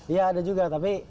iya ada juga tapi